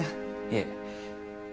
いえ。